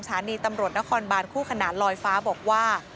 สถานีตำรวจนครบานคู่ขนานลอยฟ้าบอกว่า